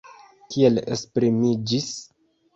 Kiel esprimiĝis?